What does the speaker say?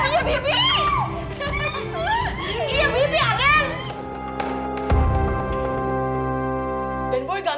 jangan jangan jangan